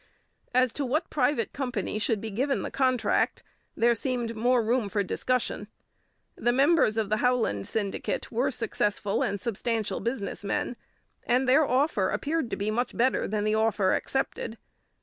As to what private company should be given the contract, there seemed more room for discussion. The members of the Howland syndicate were successful and substantial business men, and their offer appeared to be much better than the offer accepted.